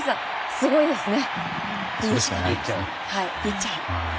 すごいですね。